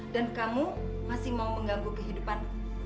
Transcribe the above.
dan kamu masih mau mengganggu kehidupan